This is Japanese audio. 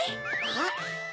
あっ！